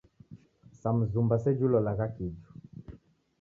Sa mzumba seji ulolagha kiju.